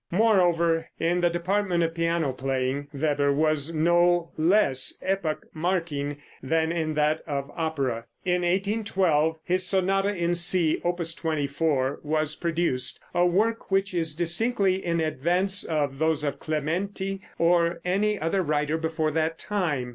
Moreover, in the department of piano playing Weber was no less epoch marking than in that of opera. In 1812 his sonata in C, Opus 24, was produced, a work which is distinctly in advance of those of Clementi or any other writer before that time.